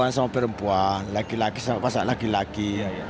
sama perempuan laki laki sama pasak laki laki